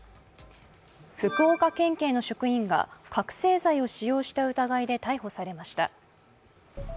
福岡県警の職員が覚醒剤を使用した疑いで逮捕されました。